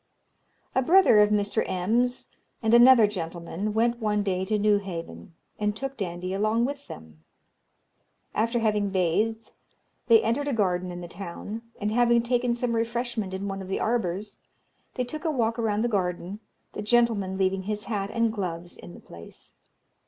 "A brother of Mr. M.'s and another gentleman went one day to Newhaven, and took Dandie along with them. After having bathed, they entered a garden in the town; and having taken some refreshment in one of the arbours, they took a walk around the garden, the gentleman leaving his hat and gloves in the place.